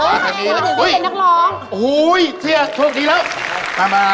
อ๋อถึงที่เด็กนักร้องอุ๊ยเหี้ยโชคดีแล้วมา